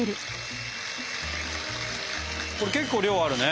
これ結構量あるね。